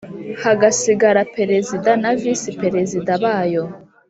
hagasigara Perezida na Visi-Perezida bayo